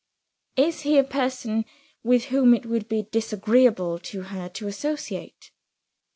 "Is he a person with whom it would be disagreeable to her to associate?"